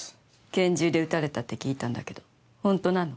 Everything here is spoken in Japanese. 拳銃で撃たれたって聞いたんだけど本当なの？